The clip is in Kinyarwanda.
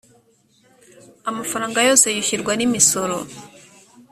amafaranga yose yishyurwa n imisoro